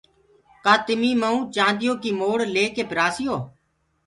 ڪآ تمي مئو چآنديو ڪي موڙ ليڪي پرآسيو